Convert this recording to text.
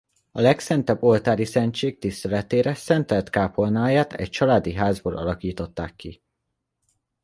A Legszentebb Oltáriszentség tiszteletére szentelt kápolnáját egy családi házból alakították ki.